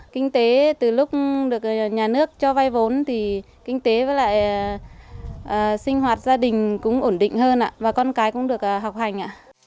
kinh tế và sinh hoạt gia đình cũng ổn định hơn và con cái cũng được học hành